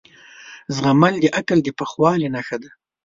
زغم د عقل د پخوالي نښه ده.